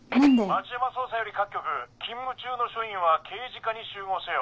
町山捜査より各局勤務中の署員は刑事課に集合せよ。